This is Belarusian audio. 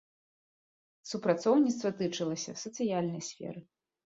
Супрацоўніцтва тычылася сацыяльнай сферы.